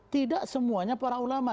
tidak semuanya para ulama